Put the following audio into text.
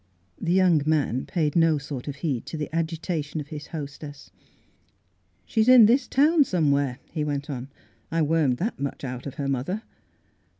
The young man paid no sort of heed to the agitation of his hostess. '' She's in this town somewhere," he "Went on. " I wormed that much out of her mother."